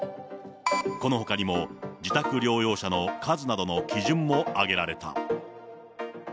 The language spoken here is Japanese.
このほかにも自宅療養者の数などの基準も挙げられた。